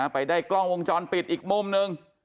ไปได้กล้องวงจรปิดอีกมุมหนึ่ง